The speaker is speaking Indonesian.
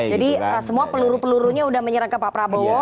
jadi semua peluru pelurunya udah menyerang ke pak prabowo